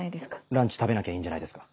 ランチ食べなきゃいいんじゃないですか。